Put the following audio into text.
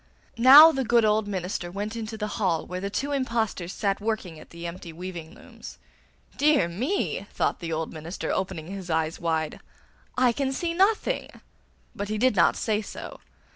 Now the good old minister went into the hall where the two impostors sat working at the empty weaving looms. 'Dear me!' thought the old minister, opening his eyes wide, 'I can see nothing!' But he did not say so.